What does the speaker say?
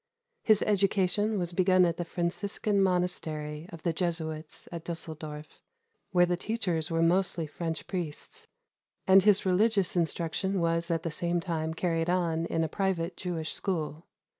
His education was begun at the Franciscan monastery of the Jesuits at Düsseldorf, where the teachers were mostly French priests; and his religious instruction was at the same time carried on in a private Jewish school.